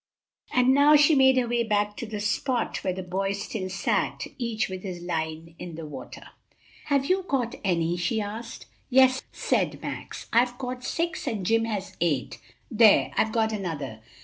And now she made her way back to the spot where the boys still sat, each with his line in the water. "Have you caught any?" she asked. "Yes," said Max, "I've caught six and Jim has eight. There! I've got another!"